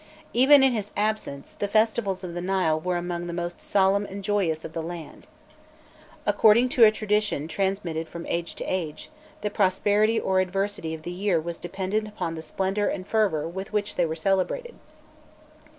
Even in his absence, the festivals of the Nile were among the most solemn and joyous of the land. According to a tradition transmitted from age to age, the prosperity or adversity of the year was dependent upon the splendour and fervour with which they were celebrated.